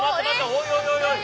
おいおいおいおい！